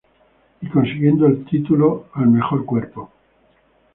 Y consiguiendo el título al mejor cuerpo.